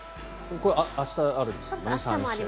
これ、明日あるんですよね。